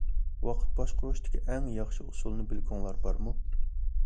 ۋاقىت باشقۇرۇشتىكى ئەڭ ياخشى ئۇسۇلنى بىلگۈڭلار بارمۇ؟